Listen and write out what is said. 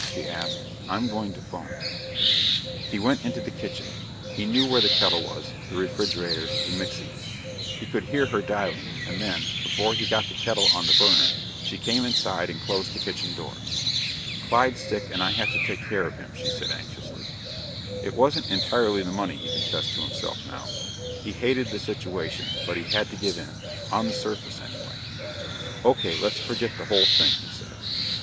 she asked. "I'm going to phone." He went into the kitchen. He knew where the kettle was, the refrigerator, the mixings. He could hear her dialing, and then, before he got the kettle on the burner, she came inside and closed the kitchen door. "Clyde's sick and I have to take care of him," she said anxiously. It wasn't entirely the money, he confessed to himself now. He hated the situation, but he had to give in on the surface anyway. "Okay, let's forget the whole thing," he said.